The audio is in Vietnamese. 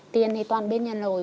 tiền thì toàn biết nhân lỗi